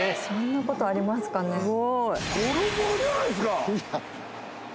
そんなことありますかね。